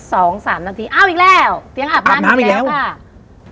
สองสามนาทีอ้าวอีกแล้วเตียงอาบน้ำอีกแล้วค่ะอาบน้ำอีกแล้ว